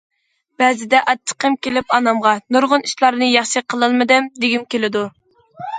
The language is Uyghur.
بەزىدە ئاچچىقىم كېلىپ، ئانامغا:‹‹ نۇرغۇن ئىشلارنى ياخشى قىلالمىدىم دېگۈم كېلىدۇ››.